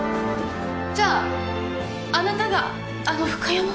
じゃああなたがあのフカヤマ！？